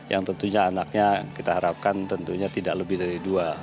yang tentunya anaknya kita harapkan tentunya tidak lebih dari dua